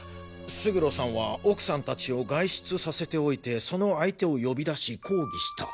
勝呂さんは奥さん達を外出させておいてその相手を呼び出し抗議した。